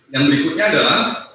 yang berikutnya adalah